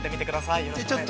よろしくお願いします。